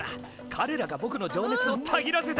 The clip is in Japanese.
かれらがぼくの情熱をたぎらせた！